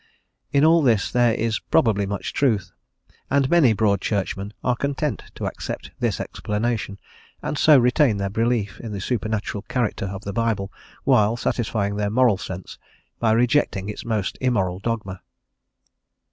In all this there is probably much truth, and many Broad Churchmen are content to accept this explanation, and so retain their belief in the supernatural character of the Bible, while satisfying their moral sense by rejecting its most immoral dogma.